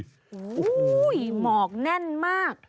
โอ้โหหมอกแน่นมาก